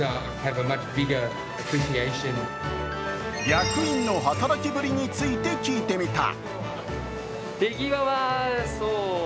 役員の働きぶりについて聞いてみた。